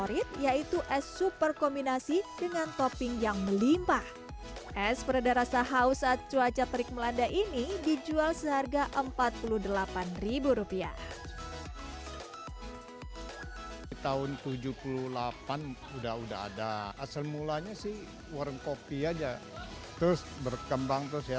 di tahun tujuh puluh delapan udah udah ada asal mulanya sih warung kopi aja terus berkembang terus ya